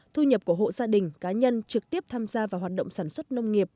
thu nhập của hộ gia đình cá nhân trực tiếp tham gia vào hoạt động sản xuất nông nghiệp